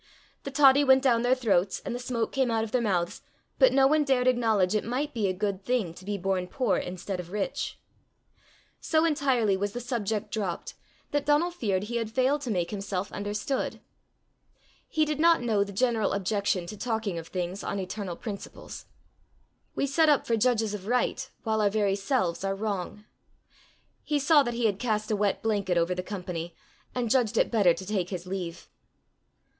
The toddy went down their throats and the smoke came out of their mouths, but no one dared acknowledge it might be a good thing to be born poor instead of rich. So entirely was the subject dropped that Donal feared he had failed to make himself understood. He did not know the general objection to talking of things on eternal principles. We set up for judges of right while our very selves are wrong! He saw that he had cast a wet blanket over the company, and judged it better to take his leave.